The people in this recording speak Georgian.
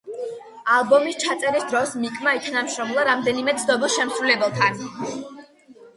ალბომის ჩაწერის დროს მიკმა ითანამშრომლა რამდენიმე ცნობილ შემსრულებელთან.